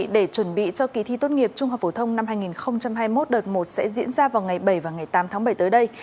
để chuẩn bị cho kỳ thi tốt nghiệp trung học phổ thông năm hai nghìn hai mươi một đợt một sẽ diễn ra vào ngày bảy và ngày tám tháng bảy tới đây